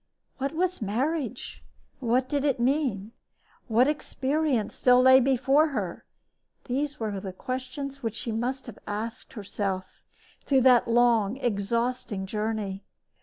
What was marriage? What did it mean? What experience still lay before her! These were the questions which she must have asked herself throughout that long, exhausting journey.